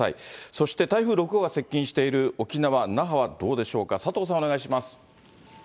そして台風６号が接近している沖縄・那覇はどうでしょうか、佐藤さん、お願いします。